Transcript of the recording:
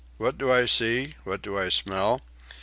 What do I see? What do I smell?